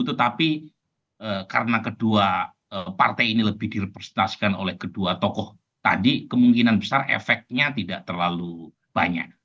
tetapi karena kedua partai ini lebih direpresentasikan oleh kedua tokoh tadi kemungkinan besar efeknya tidak terlalu banyak